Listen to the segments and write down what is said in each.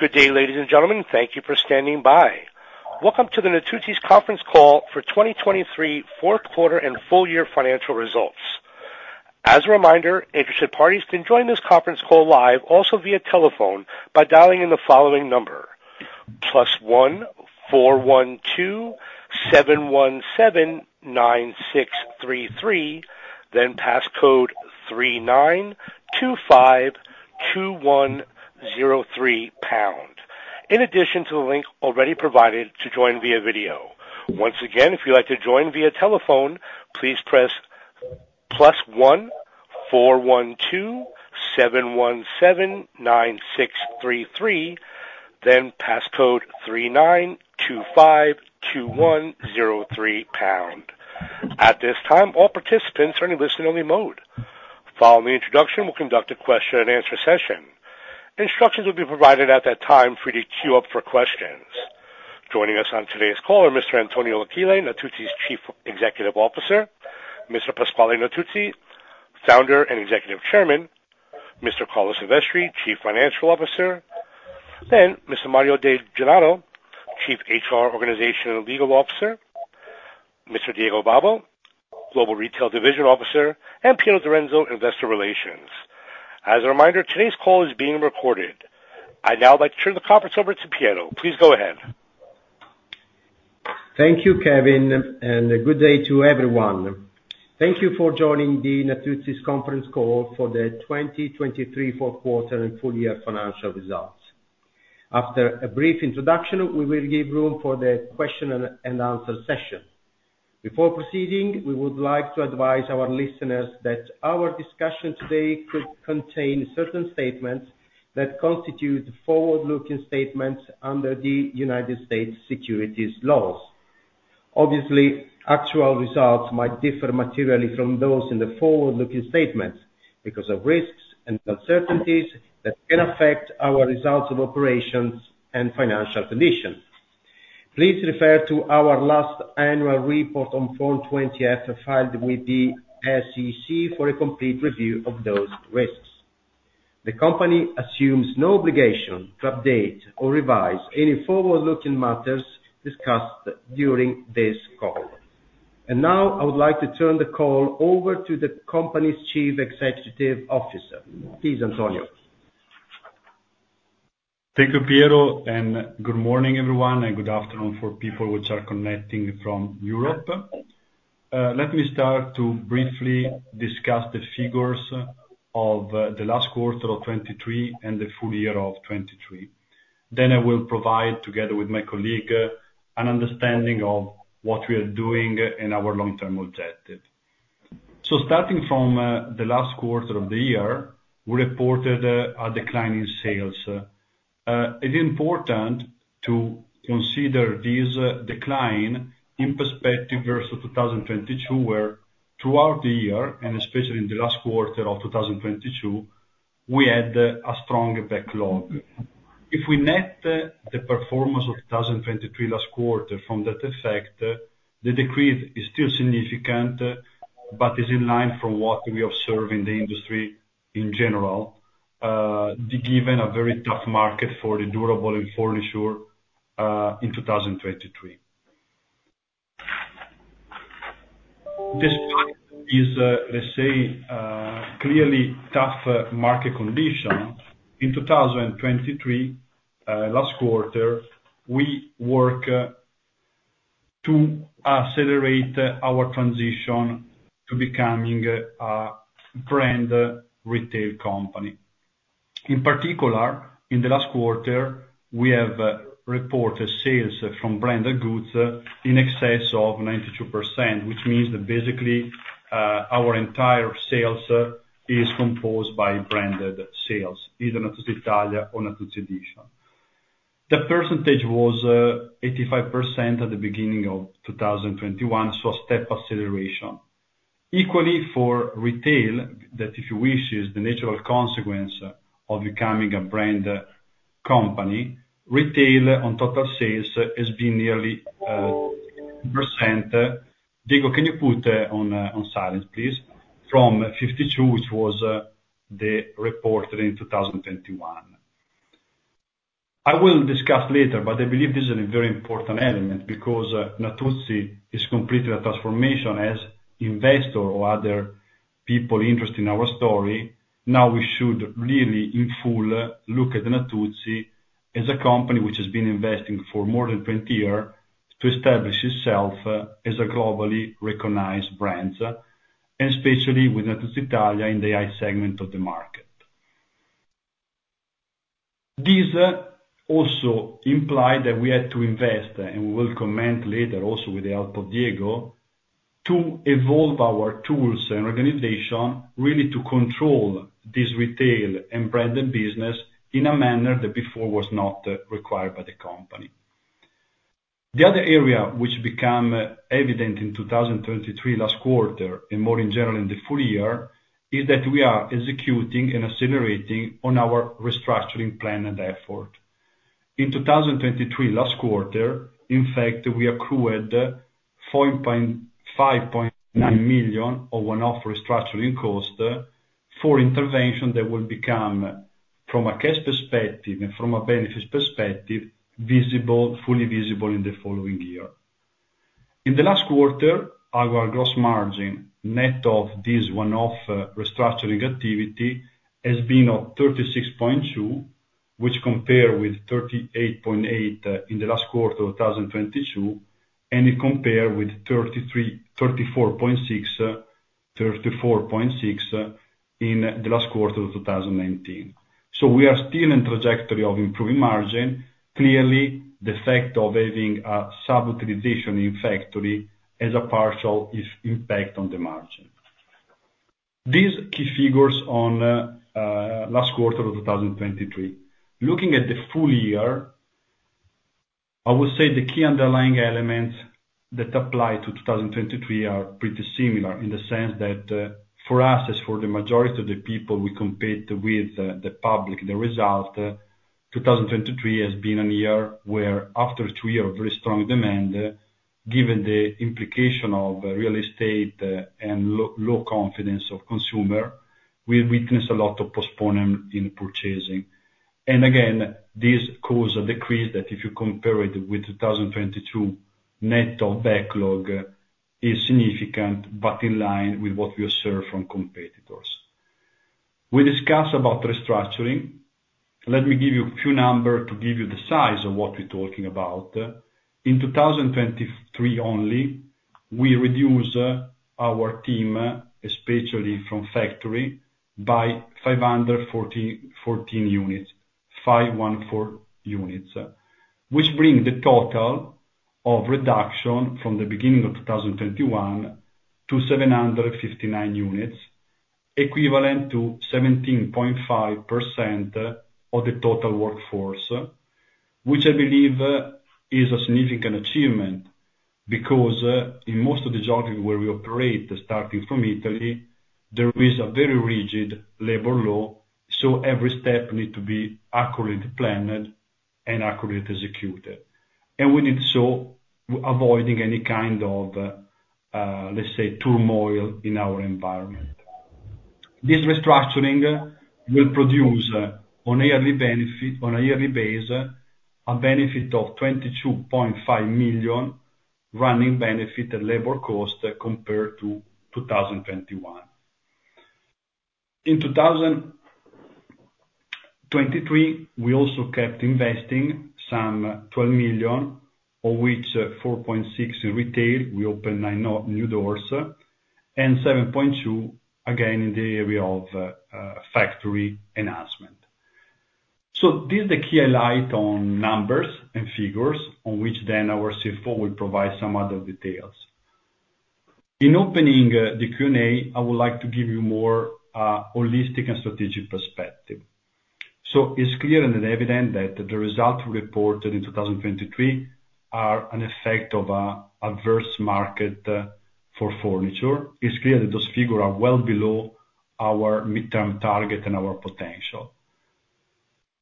Good day, ladies and gentlemen. Thank you for standing by. Welcome to the Natuzzi's Conference Call for 2023 Fourth Quarter and Full Year Financial Results. As a reminder, interested parties can join this conference call live, also via telephone, by dialing in the following number: +1 412-717-9633, then passcode 39252103#, in addition to the link already provided to join via video. Once again, if you'd like to join via telephone, please press +1 412-717-9633, then passcode 39252103#. At this time, all participants are in listen-only mode. Following the introduction, we'll conduct a Q&A session. Instructions will be provided at that time for you to queue up for questions. Joining us on today's call are Mr. Antonio Achille, Natuzzi's Chief Executive Officer; Mr. Pasquale Natuzzi, Founder and Executive Chairman; Mr. Carlo Silvestri, Chief Financial Officer; then Mr. Mario De Gennaro, Chief HR Organization and Legal Officer; Mr. Diego Babbo, Global Retail Division Officer, and Piero Direnzo, Investor Relations. As a reminder, today's call is being recorded. I'd now like to turn the conference over to Piero. Please go ahead. Thank you, Kevin, and good day to everyone. Thank you for joining the Natuzzi's conference call for the 2023 fourth quarter and full year financial results. After a brief introduction, we will give room for the Q&A session. Before proceeding, we would like to advise our listeners that our discussion today could contain certain statements that constitute forward-looking statements under the United States securities laws. Obviously, actual results might differ materially from those in the forward-looking statements because of risks and uncertainties that can affect our results of operations and financial conditions. Please refer to our last annual report on 04/20/2023 filed with the SEC for a complete review of those risks. The company assumes no obligation to update or revise any forward-looking matters discussed during this call. And now I would like to turn the call over to the company's Chief Executive Officer. Please, Antonio. Thank you, Piero. Good morning, everyone, and good afternoon for people which are connecting from Europe. Let me start to briefly discuss the figures of the last quarter of 2023 and the full year of 2023. I will provide, together with my colleague, an understanding of what we are doing and our long-term objective. Starting from the last quarter of the year, we reported a decline in sales. It's important to consider this decline in perspective versus 2022, where throughout the year, and especially in the last quarter of 2022, we had a strong backlog. If we net the performance of 2023 last quarter from that effect, the decrease is still significant but is in line from what we observe in the industry in general, given a very tough market for the durable and furniture in 2023. Despite this, let's say, clearly tough market condition, in 2023 last quarter, we work to accelerate our transition to becoming a branded retail company. In particular, in the last quarter, we have reported sales from branded goods in excess of 92%, which means that basically our entire sales is composed by branded sales, either Natuzzi Italia or Natuzzi Editions. The percentage was 85% at the beginning of 2021, so a step acceleration. Equally for retail, that if you wish, is the natural consequence of becoming a branded company. Retail on total sales has been nearly 10%. Diego, can you put on silence, please, from 52% which was reported in 2021? I will discuss later, but I believe this is a very important element because Natuzzi is completing a transformation. As investors or other people interested in our story, now we should really, in full, look at Natuzzi as a company which has been investing for more than 20 years to establish itself as a globally recognized brand, and especially with Natuzzi Italia in the high segment of the market. This also implies that we had to invest, and we will comment later also with the help of Diego, to evolve our tools and organization really to control this retail and branded business in a manner that before was not required by the company. The other area which became evident in 2023 last quarter and more in general in the full year is that we are executing and accelerating on our restructuring plan and effort. In 2023 last quarter, in fact, we accrued 5.9 million of one-off restructuring costs for interventions that will become, from a cash perspective and from a benefits perspective, visible, fully visible in the following year. In the last quarter, our gross margin net of this one-off restructuring activity has been of 36.2%, which compares with 38.8% in the last quarter of 2022, and it compares with 34.6% in the last quarter of 2019. So we are still in trajectory of improving margin, clearly the effect of having a subutilization in factory has a partial impact on the margin. These key figures on last quarter of 2023. Looking at the full year, I would say the key underlying elements that apply to 2023 are pretty similar in the sense that for us, as for the majority of the people we compete with the public, the result, 2023 has been a year where, after a two-year of very strong demand, given the implication of real estate and low confidence of consumers, we witness a lot of postponement in purchasing. And again, this caused a decrease that, if you compare it with 2022, net of backlog is significant but in line with what we observe from competitors. We discussed about restructuring. Let me give you a few numbers to give you the size of what we're talking about. In 2023 only, we reduced our team, especially from factory, by 514 units, 514 units, which brings the total of reduction from the beginning of 2021 to 759 units, equivalent to 17.5% of the total workforce, which I believe is a significant achievement because, in most of the geographies where we operate, starting from Italy, there is a very rigid labor law, so every step needs to be accurately planned and accurately executed. We did so avoiding any kind of, let's say, turmoil in our environment. This restructuring will produce, on a yearly basis, a benefit of 22.5 million running benefit and labor costs compared to 2021. In 2023, we also kept investing some 12 million, of which 4.6% in retail. We opened new doors, and 7.2% again in the area of factory enhancement. This is the key highlight on numbers and figures, on which then our CFO will provide some other details. In opening the Q&A, I would like to give you a more holistic and strategic perspective. It's clear and evident that the results reported in 2023 are an effect of an adverse market for furniture. It's clear that those figures are well below our mid-term target and our potential.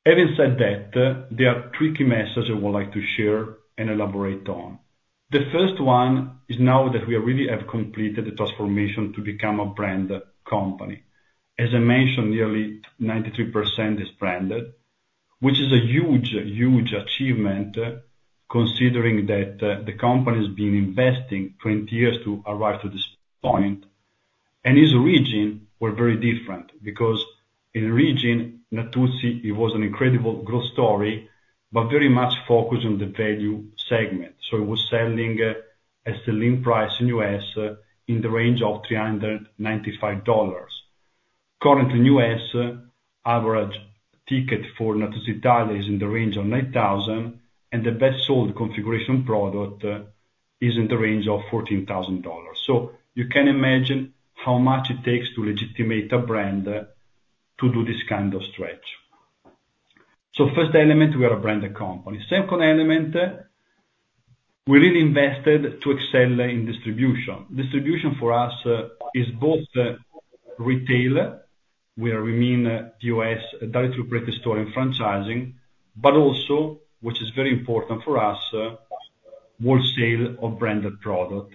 Having said that, there are three key messages I would like to share and elaborate on. The first one is now that we really have completed the transformation to become a branded company. As I mentioned, nearly 93% is branded, which is a huge, huge achievement considering that the company has been investing 20 years to arrive to this point. Its region was very different because, in region, Natuzzi, it was an incredible growth story but very much focused on the value segment. So it was selling at a ceiling price in the US in the range of $395. Currently, in the US, the average ticket for Natuzzi Italia is in the range of $9,000, and the best-sold configuration product is in the range of $14,000. So you can imagine how much it takes to legitimate a brand to do this kind of stretch. So first element, we are a branded company. Second element, we really invested to excel in distribution. Distribution for us is both retail where we mean the U.S. directly operated store and franchising, but also, which is very important for us, wholesale of branded product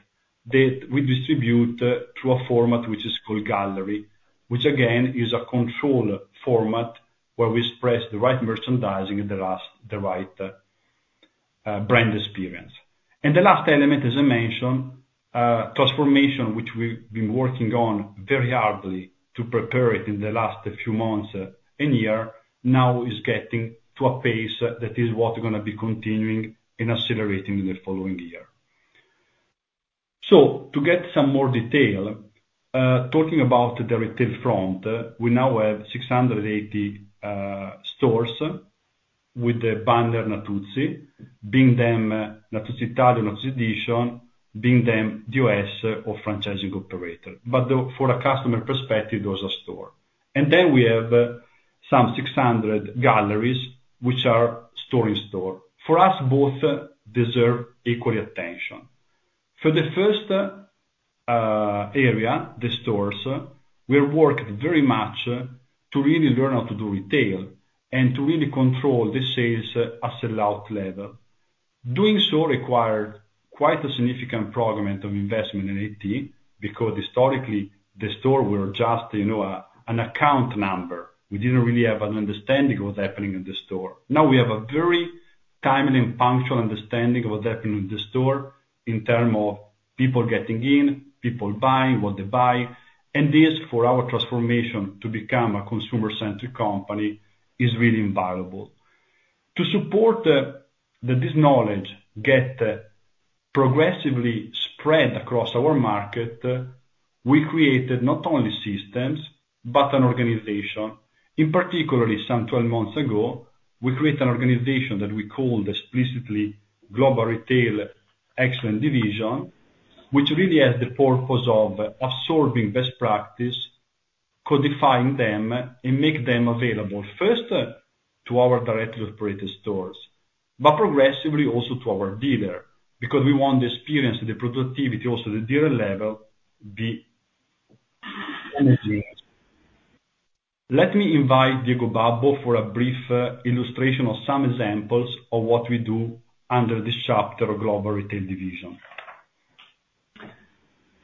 that we distribute through a format which is called Natuzzi Gallery, which again is a control format where we express the right merchandising and the right brand experience. The last element, as I mentioned, transformation which we've been working on very hard to prepare it in the last few months and year now is getting to a pace that is what's going to be continuing and accelerating in the following year. To get some more detail, talking about the retail front, we now have 680 stores with the banner Natuzzi, being them Natuzzi Italia or Natuzzi Editions, being them the U.S. or franchising operator. But for a customer perspective, those are stores. And then we have some 600 galleries which are store-in-store. For us, both deserve equal attention. For the first area, the stores, we have worked very much to really learn how to do retail and to really control the sales at sellout level. Doing so required quite a significant investment in IT because, historically, the stores were just an account number. We didn't really have an understanding of what's happening in the store. Now we have a very timely and punctual understanding of what's happening in the store in terms of people getting in, people buying, what they buy. And this, for our transformation to become a consumer-centric company, is really invaluable. To support this knowledge get progressively spread across our market, we created not only systems but an organization. In particular, some 12 months ago, we created an organization that we called explicitly Global Retail Excellence Division, which really has the purpose of absorbing best practices, codifying them, and making them available, first, to our directly operated stores, but progressively also to our dealer because we want the experience, the productivity, also the dealer level to be managed. Let me invite Diego Babbo for a brief illustration of some examples of what we do under this chapter of Global Retail Division.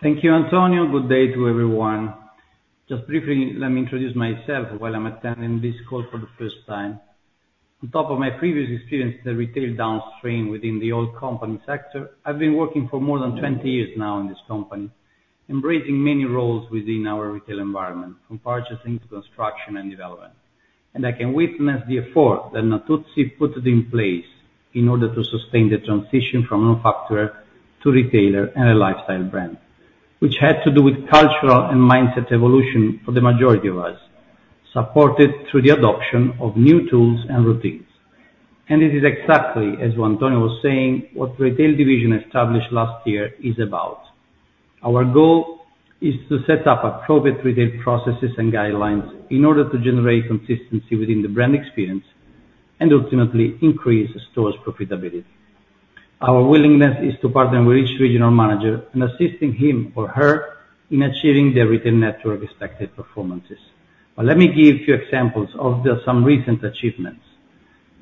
Thank you, Antonio. Good day to everyone. Just briefly, let me introduce myself while I'm attending this call for the first time. On top of my previous experience in the retail downstream within the old company sector, I've been working for more than 20 years now in this company, embracing many roles within our retail environment, from purchasing to construction and development. I can witness the effort that Natuzzi put in place in order to sustain the transition from manufacturer to retailer and a lifestyle brand, which had to do with cultural and mindset evolution for the majority of us, supported through the adoption of new tools and routines. It is exactly, as Antonio was saying, what the retail division established last year is about. Our goal is to set up appropriate retail processes and guidelines in order to generate consistency within the brand experience and, ultimately, increase stores' profitability. Our willingness is to partner with each regional manager and assist him or her in achieving their retail network expected performances. But let me give a few examples of some recent achievements.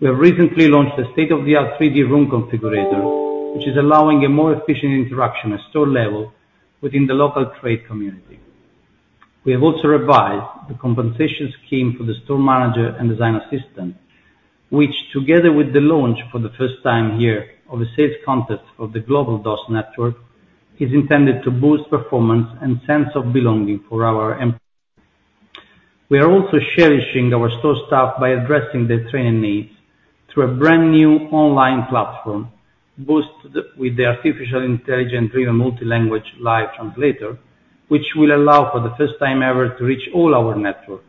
We have recently launched a state-of-the-art 3D room configurator, which is allowing a more efficient interaction at store level within the local trade community. We have also revised the compensation scheme for the store manager and design assistant, which, together with the launch for the first time here of a sales contest for the Global DoS Network, is intended to boost performance and sense of belonging for our employees. We are also cherishing our store staff by addressing their training needs through a brand-new online platform boosted with the artificial intelligence-driven multilanguage live translator, which will allow, for the first time ever, to reach all our network,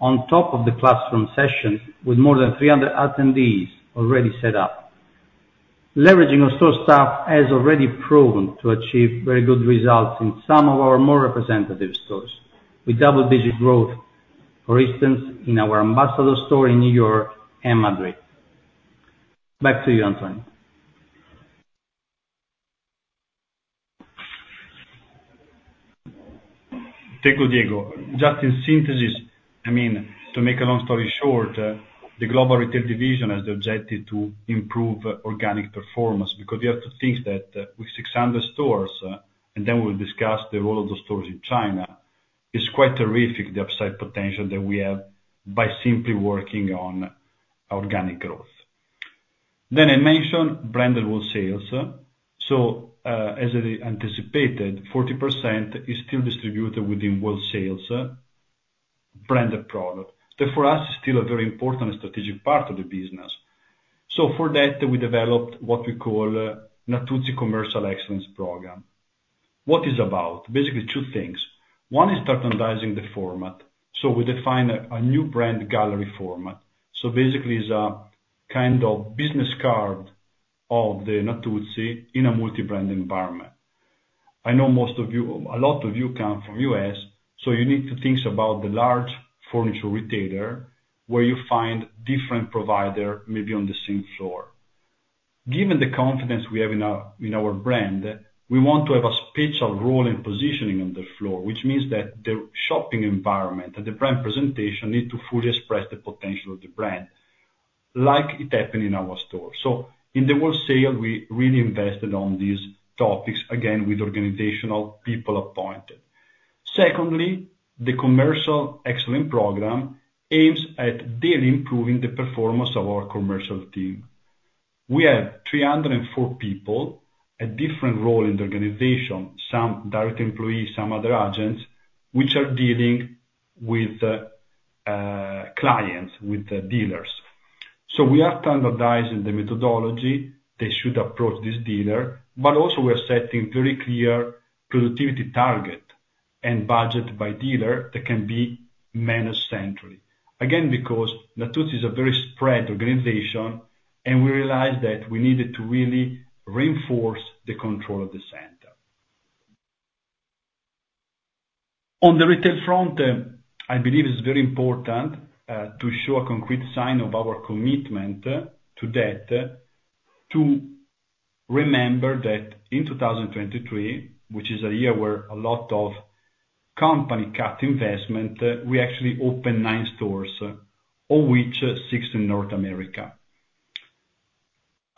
on top of the classroom sessions with more than 300 attendees already set up. Leveraging our store staff has already proven to achieve very good results in some of our more representative stores with double-digit growth, for instance, in our ambassador store in New York and Madrid. Back to you, Antonio. Thank you, Diego. Just in synthesis, I mean, to make a long story short, the Global Retail Division has the objective to improve organic performance because we have to think that with 600 stores and then we'll discuss the role of those stores in China, it's quite terrific, the upside potential that we have by simply working on organic growth. Then I mentioned branded wholesales. So, as anticipated, 40% is still distributed within wholesale branded products. That, for us, is still a very important strategic part of the business. So for that, we developed what we call Natuzzi Commercial Excellence Program. What it is about? Basically, two things. One is standardizing the format. So we define a new brand gallery format. So basically, it's a kind of business card of the Natuzzi in a multi-brand environment. I know most of you a lot of you come from the U.S., so you need to think about the large furniture retailer where you find different providers maybe on the same floor. Given the confidence we have in our brand, we want to have a special role in positioning on the floor, which means that the shopping environment and the brand presentation need to fully express the potential of the brand like it happened in our store. So in the wholesale, we really invested on these topics, again, with organizational people appointed. Secondly, the Commercial Excellence Program aims at daily improving the performance of our commercial team. We have 304 people, a different role in the organization, some direct employees, some other agents, which are dealing with clients, with dealers. We are standardizing the methodology they should approach this dealer, but also we are setting very clear productivity targets and budgets by dealer that can be managed centrally, again, because Natuzzi is a very spread organization, and we realized that we needed to really reinforce the control of the center. On the retail front, I believe it's very important to show a concrete sign of our commitment to that, to remember that in 2023, which is a year where a lot of companies cut investment, we actually opened 9 stores, of which 6 in North America.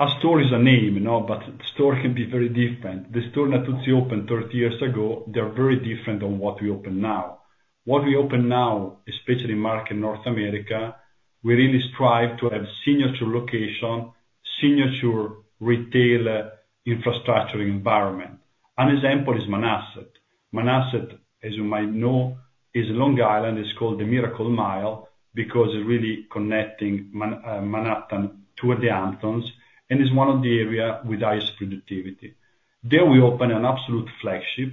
A store is a name, but the store can be very different. The store Natuzzi opened 30 years ago, they're very different from what we open now. What we open now, especially in the market in North America, we really strive to have a signature location, signature retail infrastructure environment. An example is Manhasset. Manhasset, as you might know, is a Long Island. It's called the Miracle Mile because it's really connecting Manhattan to the Hamptons and is one of the areas with the highest productivity. There, we opened an absolute flagship,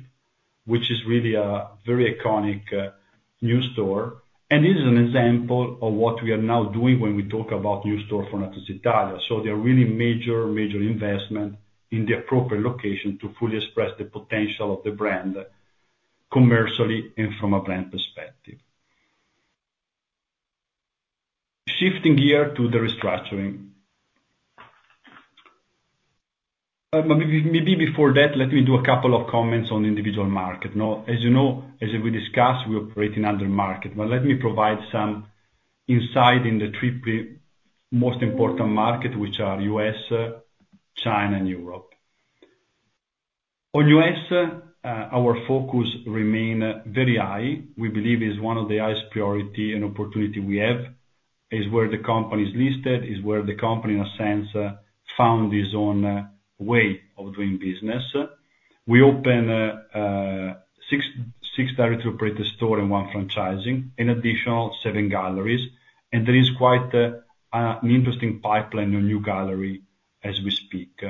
which is really a very iconic new store. And this is an example of what we are now doing when we talk about new stores for Natuzzi Italia. So there are really major, major investments in the appropriate location to fully express the potential of the brand commercially and from a brand perspective. Shifting here to the restructuring. Maybe before that, let me do a couple of comments on the individual market. As you know, as we discussed, we operate in other markets. But let me provide some insight in the three most important markets, which are the U.S., China, and Europe. On the U.S., our focus remains very high. We believe it is one of the highest priorities and opportunities we have. It's where the company is listed. It's where the company, in a sense, found its own way of doing business. We opened six directly operated stores and one franchising, an additional seven galleries. And there is quite an interesting pipeline on a new gallery as we speak.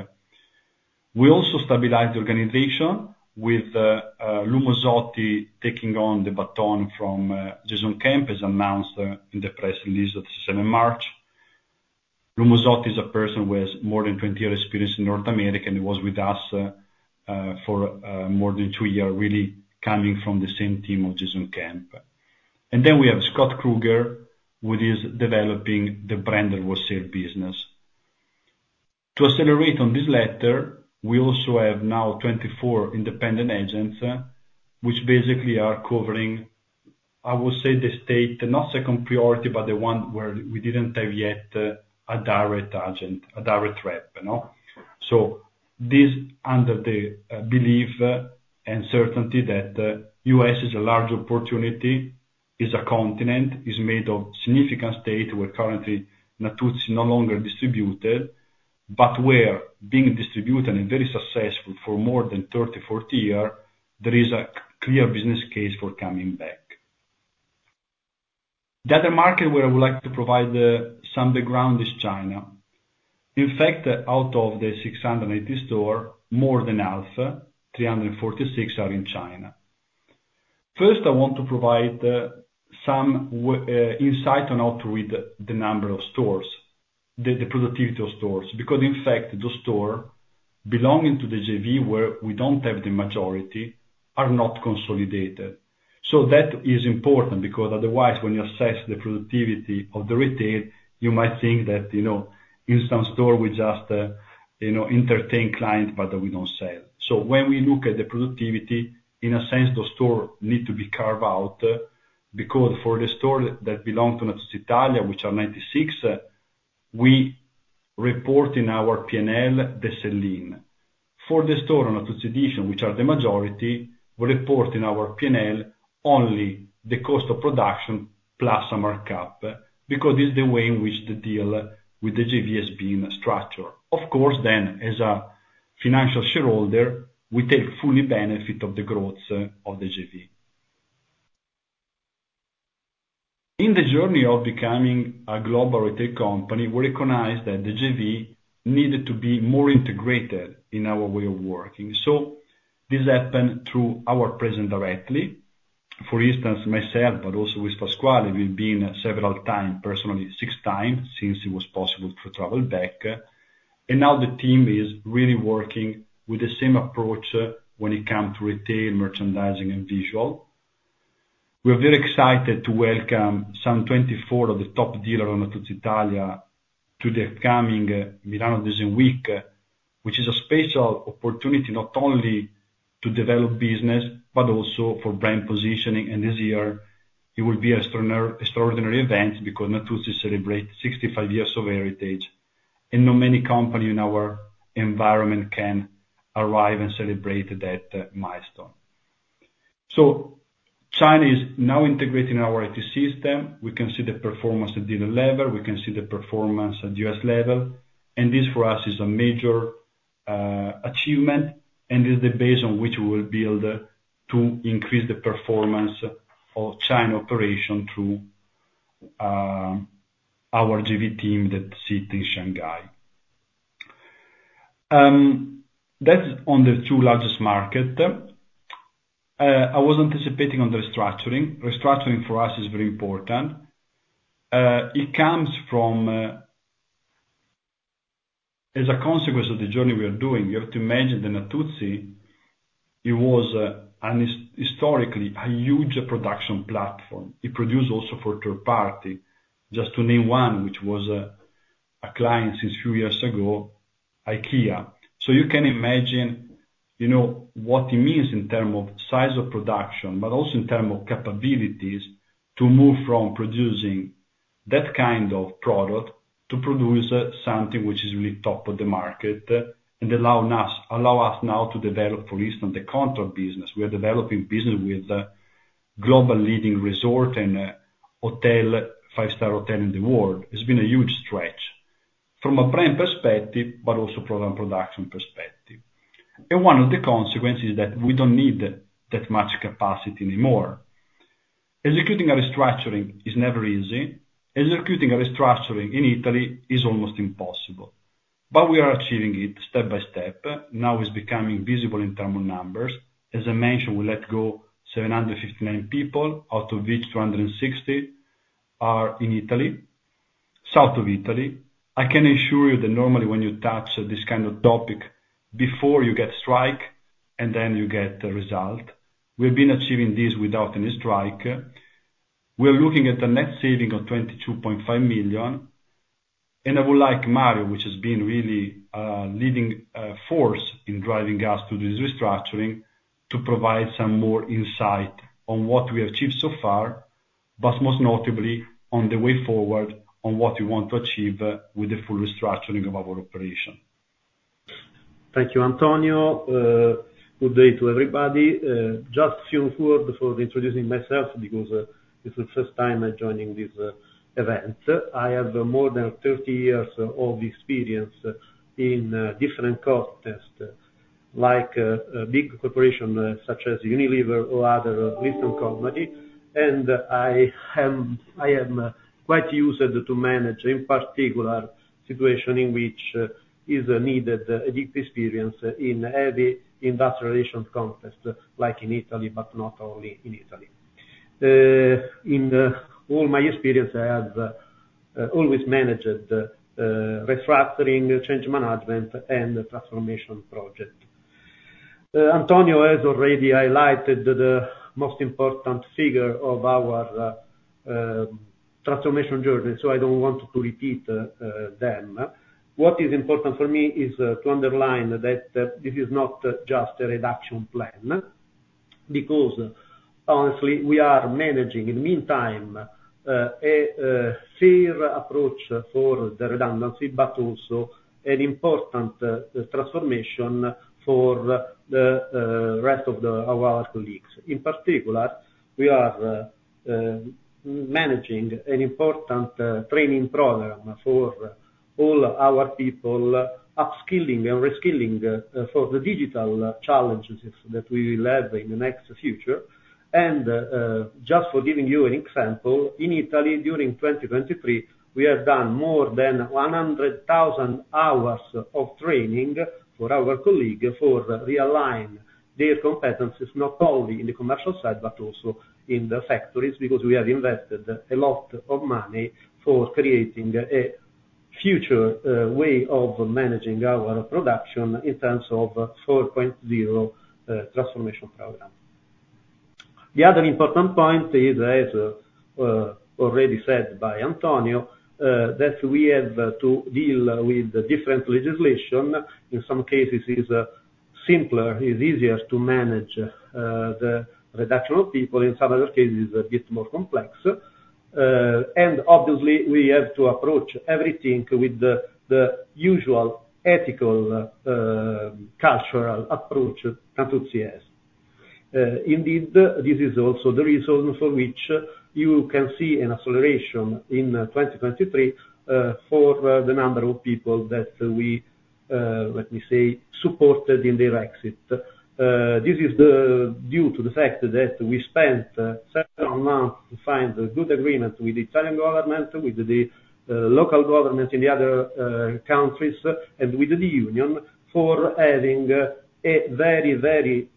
We also stabilized the organization with Ottavio Giorgio taking on the baton from Jason Camp, as announced in the press release of the 7th of March. Ottavio Giorgio is a person who has more than 20 years of experience in North America, and he was with us for more than two years, really coming from the same team of Jason Camp. And then we have Scott Kruger, who is developing the branded wholesale business. To accelerate on this letter, we also have now 24 independent agents, which basically are covering, I would say, the state not second priority, but the one where we didn't have yet a direct agent, a direct rep. So this is under the belief and certainty that the U.S. is a large opportunity, is a continent, is made of a significant state where currently Natuzzi is no longer distributed, but where, being distributed and very successful for more than 30, 40 years, there is a clear business case for coming back. The other market where I would like to provide some background is China. In fact, out of the 680 stores, more than half, 346, are in China. First, I want to provide some insight on how to read the number of stores, the productivity of stores, because, in fact, those stores belonging to the JV where we don't have the majority are not consolidated. So that is important because, otherwise, when you assess the productivity of the retail, you might think that in some stores, we just entertain clients, but we don't sell. So when we look at the productivity, in a sense, those stores need to be carved out because for the stores that belong to Natuzzi Italia, which are 96, we report in our P&L the selling. For the stores on Natuzzi Editions, which are the majority, we report in our P&L only the cost of production plus a markup because it's the way in which the deal with the JV has been structured. Of course, then, as a financial shareholder, we take full benefit of the growth of the JV. In the journey of becoming a global retail company, we recognized that the JV needed to be more integrated in our way of working. This happened through our presence directly. For instance, myself, but also with Pasquale, we've been several times, personally 6 times since it was possible to travel back. Now the team is really working with the same approach when it comes to retail, merchandising, and visual. We are very excited to welcome some 24 of the top dealers on Natuzzi Italia to the upcoming Milan Design Week, which is a special opportunity not only to develop business but also for brand positioning. This year, it will be an extraordinary event because Natuzzi celebrates 65 years of heritage, and not many companies in our environment can arrive and celebrate that milestone. China is now integrated in our IT system. We can see the performance at the dealer level. We can see the performance at the U.S. level. And this, for us, is a major achievement, and it's the base on which we will build to increase the performance of China operations through our JV team that sits in Shanghai. That's on the two largest markets. I was anticipating on the restructuring. Restructuring, for us, is very important. It comes from as a consequence of the journey we are doing, you have to imagine that Natuzzi, it was historically a huge production platform. It produced also for third parties, just to name one, which was a client since a few years ago, IKEA. So you can imagine what it means in terms of size of production, but also in terms of capabilities to move from producing that kind of product to produce something which is really top of the market and allow us now to develop, for instance, the contract business. We are developing business with a global leading resort and five-star hotel in the world. It's been a huge stretch from a brand perspective, but also from a production perspective. One of the consequences is that we don't need that much capacity anymore. Executing a restructuring is never easy. Executing a restructuring in Italy is almost impossible. We are achieving it step by step. Now it's becoming visible in terms of numbers. As I mentioned, we let go of 759 people, out of which 260 are in Italy, south of Italy. I can assure you that normally, when you touch this kind of topic, before you get a strike and then you get a result, we have been achieving this without any strike. We are looking at a net saving of 22.5 million. And I would like Mario, which has been really a leading force in driving us to do this restructuring, to provide some more insight on what we have achieved so far, but most notably on the way forward, on what we want to achieve with the full restructuring of our operation. Thank you, Antonio. Good day to everybody. Just a few words before introducing myself because it's the first time joining this event. I have more than 30 years of experience in different contexts, like big corporations such as Unilever or other listed companies. I am quite used to manage, in particular, situations in which it is needed deep experience in heavy industrial relations contexts, like in Italy, but not only in Italy. In all my experience, I have always managed restructuring, change management, and transformation projects. Antonio, as already highlighted, the most important figure of our transformation journey, so I don't want to repeat them. What is important for me is to underline that this is not just a restructuring plan because, honestly, we are managing, in the meantime, a fair approach for the redundancy, but also an important transformation for the rest of our colleagues. In particular, we are managing an important training program for all our people, upskilling and reskilling for the digital challenges that we will have in the next future. Just for giving you an example, in Italy, during 2023, we have done more than 100,000 hours of training for our colleagues for realigning their competencies, not only in the commercial side but also in the factories, because we have invested a lot of money for creating a future way of managing our production in terms of 4.0 transformation program. The other important point is, as already said by Antonio, that we have to deal with different legislation. In some cases, it's simpler. It's easier to manage the reduction of people. In some other cases, it's a bit more complex. Obviously, we have to approach everything with the usual ethical, cultural approach Natuzzi has. Indeed, this is also the reason for which you can see an acceleration in 2023 for the number of people that we, let me say, supported in their exit. This is due to the fact that we spent several months to find a good agreement with the Italian government, with the local government in the other countries, and with the union for having a very,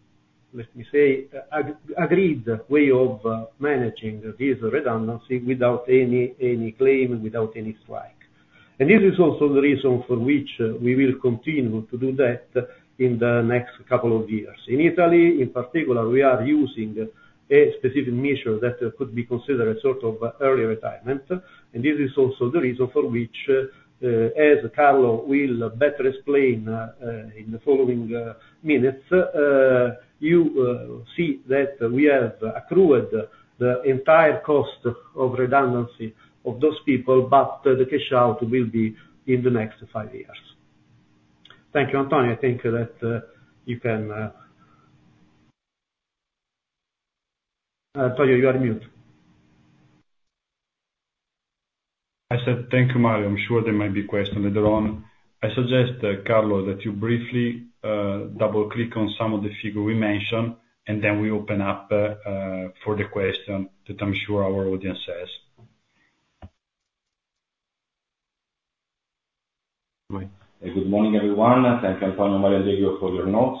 very, let me say, agreed way of managing this redundancy without any claim, without any strike. This is also the reason for which we will continue to do that in the next couple of years. In Italy, in particular, we are using a specific measure that could be considered a sort of early retirement. And this is also the reason for which, as Carlo will better explain in the following minutes, you see that we have accrued the entire cost of redundancy of those people, but the cash out will be in the next five years. Thank you, Antonio. I think that you can, Antonio, you are mute. I said, "Thank you, Mario. I'm sure there might be questions later on." I suggest, Carlo, that you briefly double-click on some of the figures we mentioned, and then we open up for the question that I'm sure our audience has. Good morning, everyone. Thank you, Antonio. Mario De Gennaro, for your notes.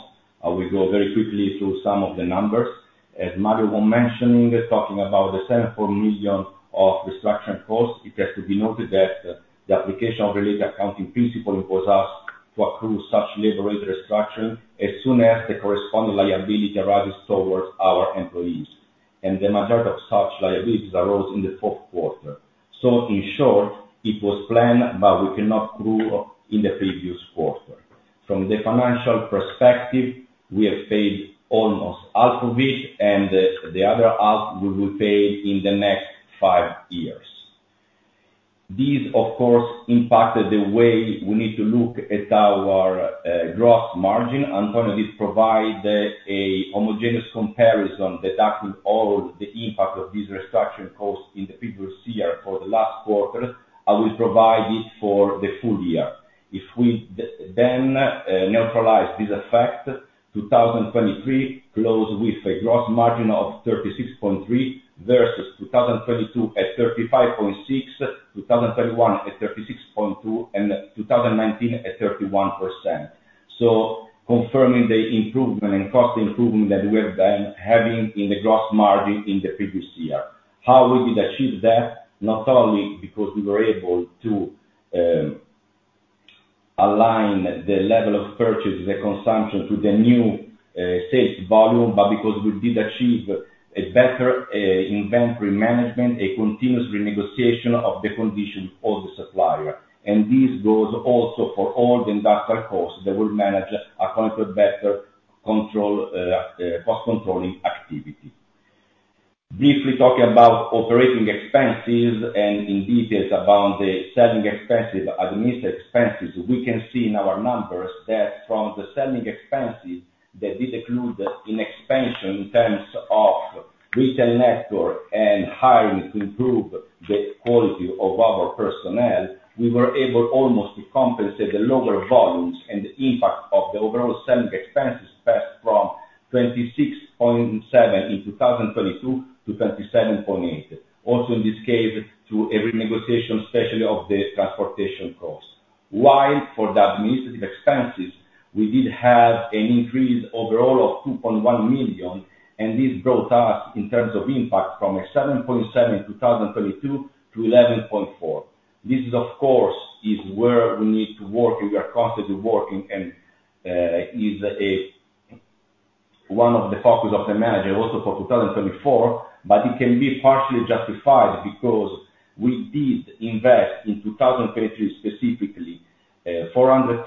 We go very quickly through some of the numbers. As Mario was mentioning, talking about the 74 million of restructuring costs, it has to be noted that the application of related accounting principle imposes us to accrue such labor-related restructuring as soon as the corresponding liability arises towards our employees. The majority of such liabilities arose in the fourth quarter. In short, it was planned, but we cannot accrue in the previous quarter. From the financial perspective, we have paid almost half of it, and the other half we will pay in the next five years. This, of course, impacted the way we need to look at our gross margin. Antonio, did you provide an homogeneous comparison deducting all the impact of these restructuring costs in the previous year for the last quarters? I will provide it for the full year. If we then neutralize this effect, 2023 closed with a gross margin of 36.3 versus 2022 at 35.6, 2021 at 36.2, and 2019 at 31%. So confirming the improvement and cost improvement that we have been having in the gross margin in the previous year. How we did achieve that? Not only because we were able to align the level of purchase and consumption to the new sales volume, but because we did achieve a better inventory management, a continuous renegotiation of the condition with all the suppliers. And this goes also for all the industrial costs that will manage according to a better cost-controlling activity. Briefly talking about operating expenses and in detail about the selling expenses, administrative expenses, we can see in our numbers that from the selling expenses that did include an expansion in terms of retail network and hiring to improve the quality of our personnel, we were able almost to compensate the lower volumes and the impact of the overall selling expenses passed from 26.7% in 2022 to 27.8%, also in this case through a renegotiation, especially of the transportation costs. While for the administrative expenses, we did have an increase overall of 2.1 million, and this brought us in terms of impact from a 7.7% in 2022 to 11.4%. This, of course, is where we need to work, and we are constantly working, and is one of the focuses of the manager also for 2024, but it can be partially justified because we did invest in 2023 specifically 400,000,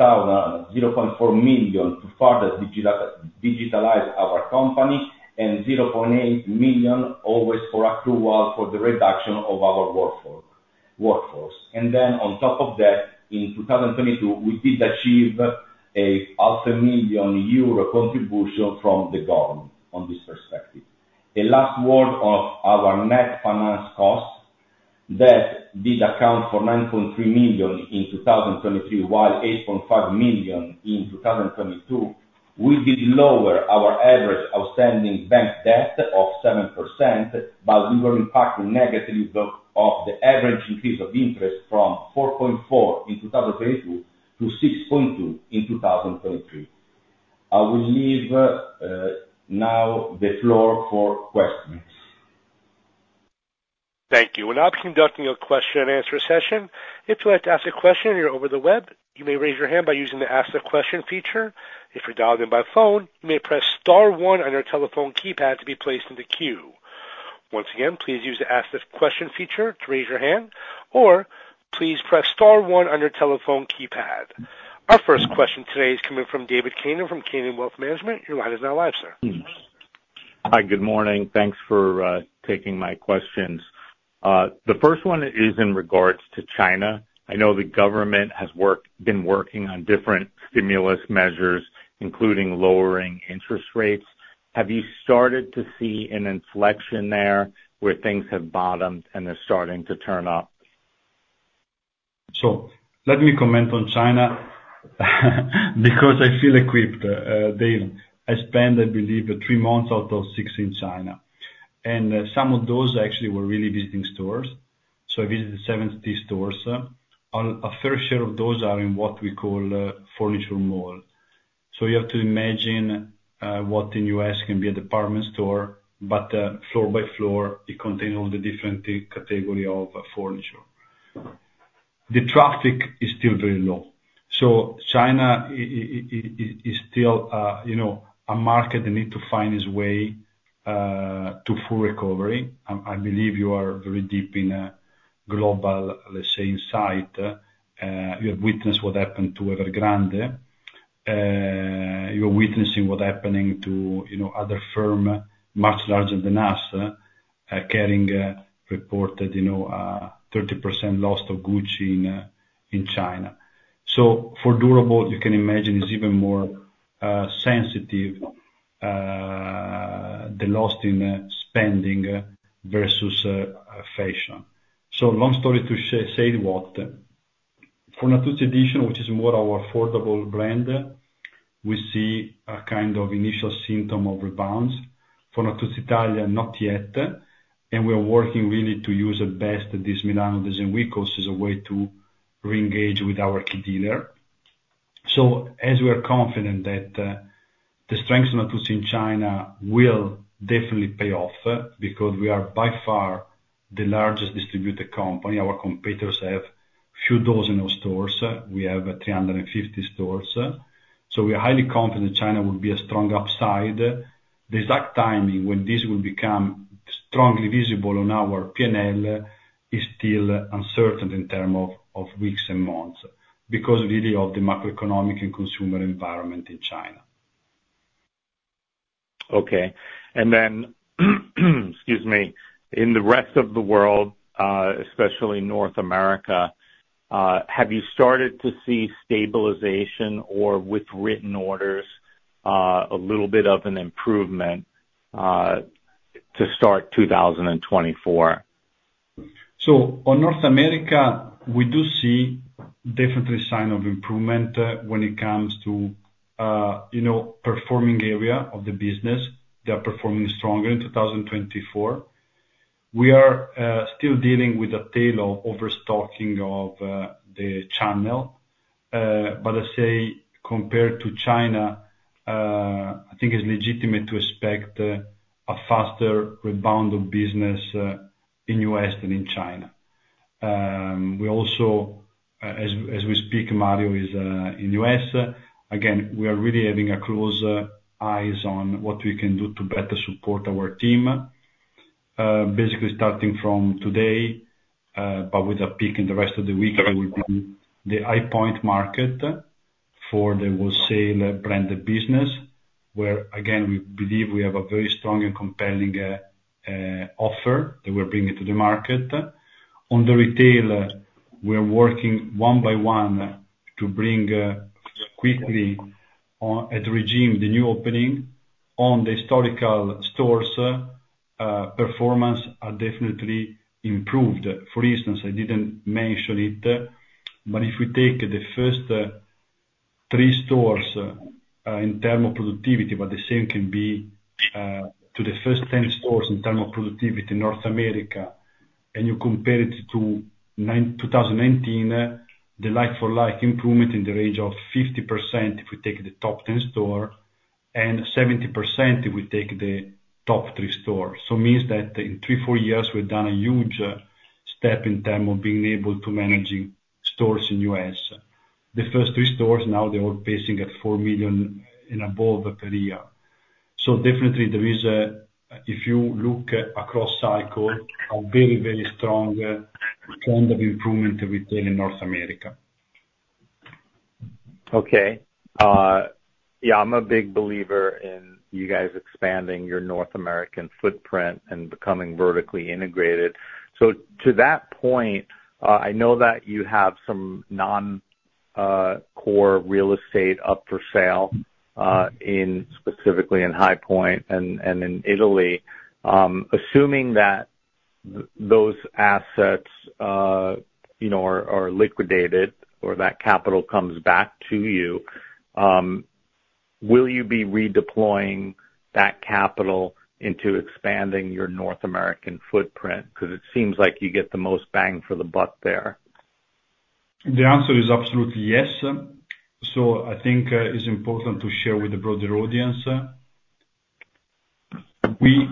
0.4 million to further digitalize our company, and 0.8 million always for accrual for the reduction of our workforce. Then on top of that, in 2022, we did achieve a 0.5 million euro contribution from the government on this perspective. A last word of our net finance costs that did account for 9.3 million in 2023 while 8.5 million in 2022. We did lower our average outstanding bank debt of 7%, but we were impacting negatively of the average increase of interest from 4.4% in 2022 to 6.2% in 2023. I will leave now the floor for questions. Thank you. We're now conducting a Q&A session. If you'd like to ask a question and you're over the web, you may raise your hand by using the Ask a Question feature. If you're dialed in by phone, you may press star one on your telephone keypad to be placed into queue. Once again, please use the Ask a Question feature to raise your hand, or please press star one on your telephone keypad. Our first question today is coming from David Kanen from Kanen Wealth Management. Your line is now live, sir. Hi. Good morning. Thanks for taking my questions. The first one is in regards to China. I know the government has been working on different stimulus measures, including lowering interest rates. Have you started to see an inflection there where things have bottomed and they're starting to turn up? So let me comment on China because I feel equipped. Dave, I spent, I believe, three months out of six in China. Some of those actually were really visiting stores. I visited 70 stores. A fair share of those are in what we call furniture mall. You have to imagine what in the U.S. can be a department store, but floor by floor, it contains all the different categories of furniture. The traffic is still very low. China is still a market that needs to find its way to full recovery. I believe you are very deep in a global, let's say, insight. You have witnessed what happened to Evergrande. You are witnessing what's happening to other firms much larger than us carrying reported 30% loss of Gucci in China. For durable, you can imagine it's even more sensitive, the loss in spending versus fashion. So, long story to say what, for Natuzzi Editions, which is more our affordable brand, we see a kind of initial symptom of rebound. For Natuzzi Italia, not yet. And we are working really to use at best this Milan Design Week as a way to re-engage with our key dealer. So as we are confident that the strengths of Natuzzi in China will definitely pay off because we are by far the largest distributed company. Our competitors have a few dozen of stores. We have 350 stores. So we are highly confident that China will be a strong upside. The exact timing when this will become strongly visible on our P&L is still uncertain in terms of weeks and months because really of the macroeconomic and consumer environment in China. Okay. And then, excuse me, in the rest of the world, especially North America, have you started to see stabilization or with written orders a little bit of an improvement to start 2024? So on North America, we do see definitely signs of improvement when it comes to performing area of the business. They are performing stronger in 2024. We are still dealing with a tail of overstocking of the channel. But I'd say compared to China, I think it's legitimate to expect a faster rebound of business in the US than in China. As we speak, Mario is in the US. Again, we are really having a close eye on what we can do to better support our team, basically starting from today, but with a peak in the rest of the week. Okay. That will be the High Point market for the wholesale branded business where, again, we believe we have a very strong and compelling offer that we're bringing to the market. On the retail, we are working one by one to bring quickly at regime the new opening. On the historical stores, performance has definitely improved. For instance, I didn't mention it, but if we take the first three stores in terms of productivity, but the same can be to the first 10 stores in terms of productivity in North America, and you compare it to 2019 The like-for-like improvement in the range of 50% if we take the top 10 store and 70% if we take the top three stores. So it means that in three, four years, we've done a huge step in terms of being able to manage stores in the U.S. The first three stores, now they're all pacing at $4 million and above per year. So definitely, if you look across cycle, a very, very strong trend of improvement in retail in North America. Okay. Yeah, I'm a big believer in you guys expanding your North American footprint and becoming vertically integrated. So to that point, I know that you have some non-core real estate up for sale, specifically in High Point and in Italy. Assuming that those assets are liquidated or that capital comes back to you, will you be redeploying that capital into expanding your North American footprint? Because it seems like you get the most bang for the buck there. The answer is absolutely yes. So I think it's important to share with the broader audience. We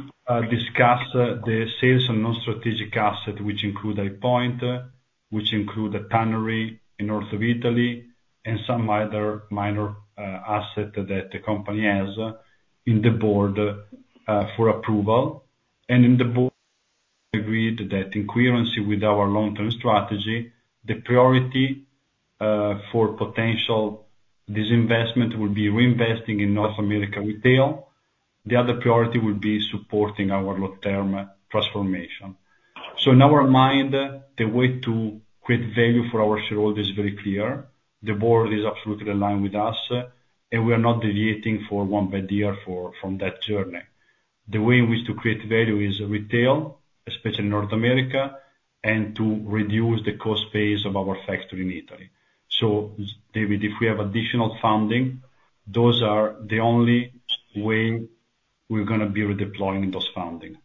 discuss the sales and non-strategic assets, which include High Point, which include tannery in north of Italy, and some other minor assets that the company has in the board for approval. And in the board, we agreed that in coherency with our long-term strategy, the priority for potential disinvestment will be reinvesting in North America retail. The other priority will be supporting our long-term transformation. So in our mind, the way to create value for our shareholders is very clear. The board is absolutely aligned with us, and we are not deviating from that journey. The way in which to create value is retail, especially in North America, and to reduce the cost base of our factory in Italy. David, if we have additional funding, those are the only ways we're going to be redeploying those funding.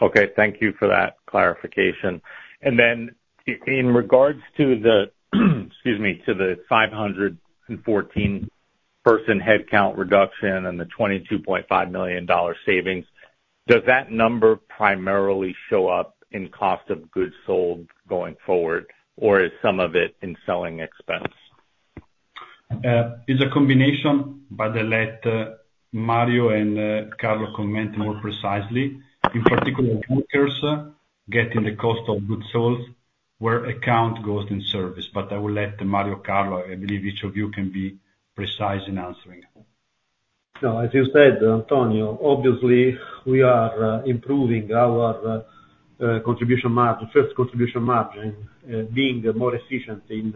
Okay. Thank you for that clarification. And then in regards to the, excuse me, to the 514-person headcount reduction and the $22.5 million savings, does that number primarily show up in cost of goods sold going forward, or is some of it in selling expense? It's a combination, but I'll let Mario and Carlo comment more precisely. In particular, workers get in the cost of goods sold where account goes in service. But I will let Mario and Carlo, I believe each of you can be precise in answering. No, as you said, Antonio, obviously, we are improving our first contribution margin, being more efficient in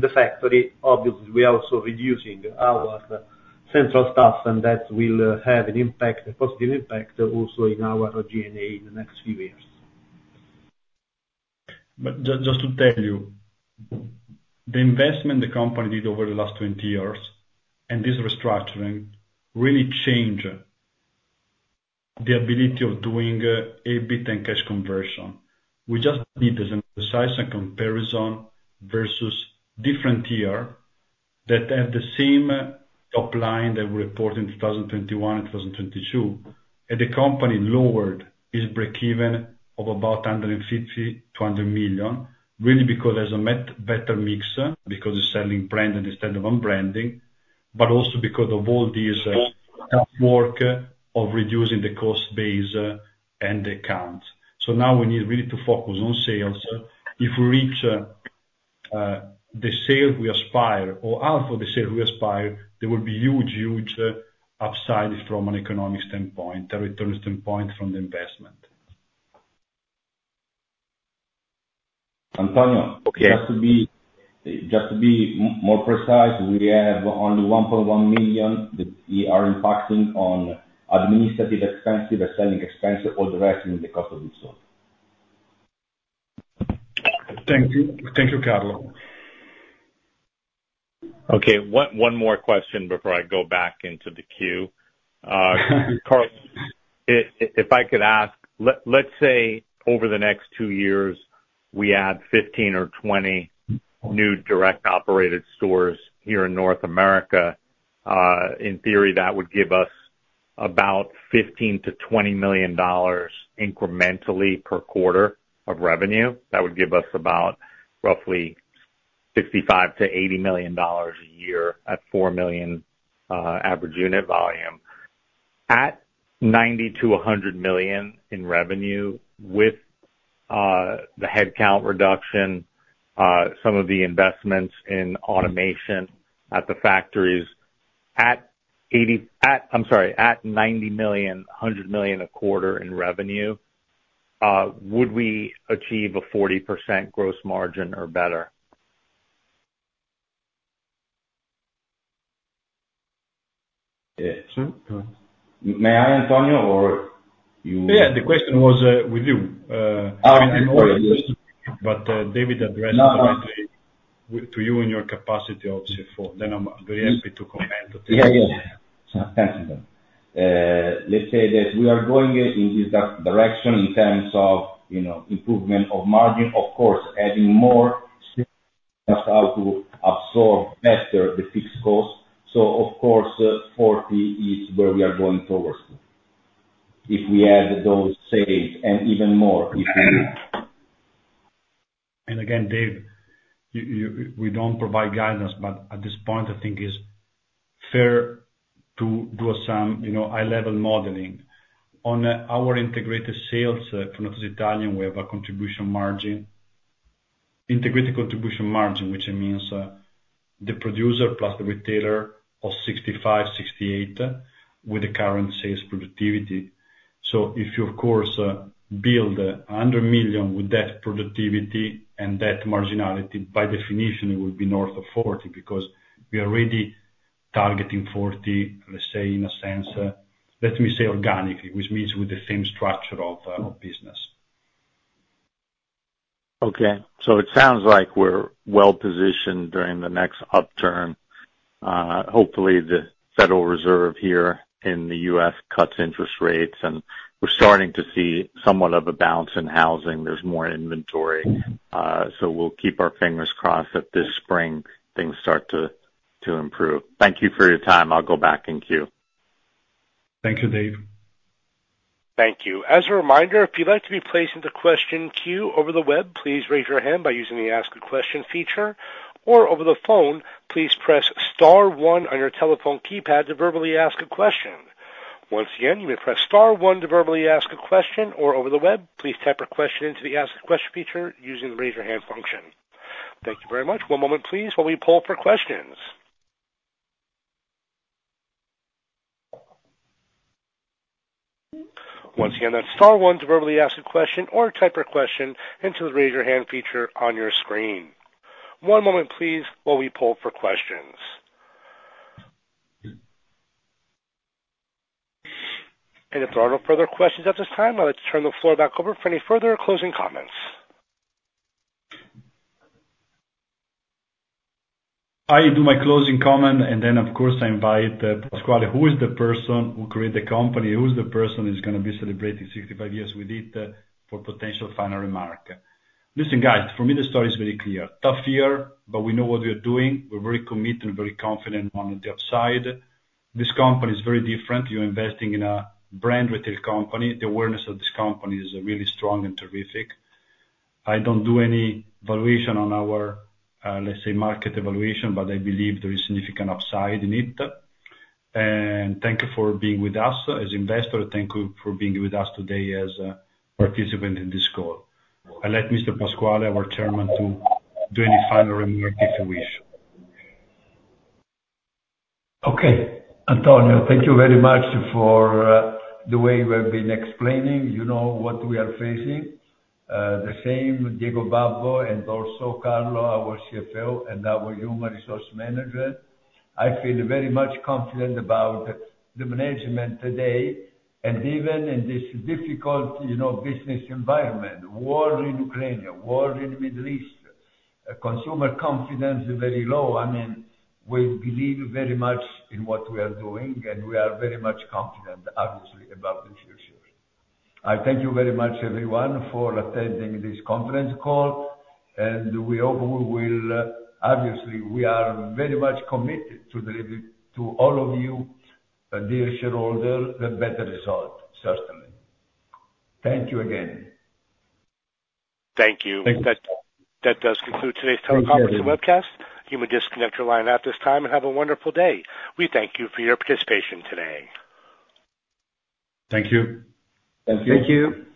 the factory. Obviously, we are also reducing our central staff, and that will have a positive impact also in our G&A in the next few years. But just to tell you, the investment the company did over the last 20 years and this restructuring really changed the ability of doing EBIT and cash conversion. We just did this exercise and comparison versus different peers that have the same top line that we reported in 2021 and 2022, and the company lowered its break-even of about 150 million-100 million, really because there's a better mix because of selling branded instead of unbranded, but also because of all this tough work of reducing the cost base and the fixed costs. So now we need really to focus on sales. If we reach the sales we aspire or above the sales we aspire, there will be huge, huge upside from an economic standpoint, a return standpoint from the investment. Antonio, just to be more precise, we have only 1.1 million that we are impacting on administrative expenses and selling expenses, all the rest in the cost of goods sold. Thank you. Thank you, Carlo. Okay. One more question before I go back into the queue. Carlo, if I could ask, let's say over the next two years, we add 15 or 20 new direct-operated stores here in North America. In theory, that would give us about $15 to $20 million incrementally per quarter of revenue. That would give us about roughly $65 to $80 million a year at $4 million average unit volume. At $90 to $100 million in revenue with the headcount reduction, some of the investments in automation at the factories, I'm sorry, at $90 million, $100 million a quarter in revenue, would we achieve a 40% gross margin or better? May I, Antonio, or you? Yeah. The question was with you. I'm also interested, but David addressed directly to you in your capacity of CFO. Then I'm very happy to comment to David. Yeah, yeah. Thank you, then. Let's say that we are going in this direction in terms of improvement of margin. Of course, adding more just how to absorb better the fixed cost. So, of course, 40 is where we are going towards if we add those sales and even more if we. And again, Dave, we don't provide guidance, but at this point, I think it's fair to do some high-level modeling. On our integrated sales for Natuzzi Italia, we have an integrated contribution margin, which means the producer plus the retailer of 65%-68% with the current sales productivity. So if you, of course, build 100 million with that productivity and that marginality, by definition, it will be north of 40% because we are really targeting 40%, let's say, in a sense, let me say organically, which means with the same structure of business. Okay. So it sounds like we're well-positioned during the next upturn. Hopefully, the Federal Reserve here in the U.S. cuts interest rates, and we're starting to see somewhat of a bounce in housing. There's more inventory. So we'll keep our fingers crossed that this spring, things start to improve. Thank you for your time. I'll go back in queue. Thank you, Dave. Thank you. As a reminder, if you'd like to be placed into question queue over the web, please raise your hand by using the Ask a Question feature, or over the phone, please press star 1 on your telephone keypad to verbally ask a question. Once again, you may press star 1 to verbally ask a question, or over the web, please type your question into the Ask a Question feature using the raise your hand function. Thank you very much. One moment, please, while we pull for questions. Once again, that's star 1 to verbally ask a question or type your question into the raise your hand feature on your screen. One moment, please, while we pull for questions. If there are no further questions at this time, I'll let you turn the floor back over for any further closing comments. I do my closing comment, and then, of course, I invite Pasquale, who is the person who created the company. Who is the person who's going to be celebrating 65 years with it, for potential final remark. Listen, guys, for me, the story is very clear. Tough year, but we know what we are doing. We're very committed and very confident on the upside. This company is very different. You're investing in a brand retail company. The awareness of this company is really strong and terrific. I don't do any valuation on our, let's say, market evaluation, but I believe there is significant upside in it. And thank you for being with us as investors. Thank you for being with us today as participants in this call. I'll let Mr. Pasquale, our chairman, do any final remark if he wishes. Okay. Antonio, thank you very much for the way you have been explaining what we are facing. The same Diego Babbo and also Carlo, our CFO, and our human resource manager. I feel very much confident about the management today. Even in this difficult business environment, war in Ukraine, war in the Middle East, consumer confidence is very low. I mean, we believe very much in what we are doing, and we are very much confident, obviously, about the future. I thank you very much, everyone, for attending this conference call. We hope we will obviously. We are very much committed to deliver to all of you, dear shareholders, a better result, certainly. Thank you again. Thank you. That does conclude today's teleconference and webcast. You may disconnect your line at this time and have a wonderful day. We thank you for your participation today. Thank you. Thank you. Thank you.